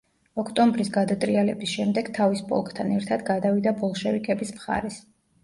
ოქტომბრის გადატრიალების შემდეგ თავის პოლკთან ერთად გადავიდა ბოლშევიკების მხარეს.